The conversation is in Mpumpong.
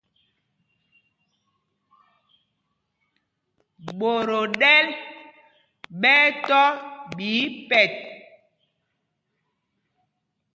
Ɓot o ɗɛ́l ɓɛ́ ɛ́ tɔ̄ ɓɛ̌ ipɛt.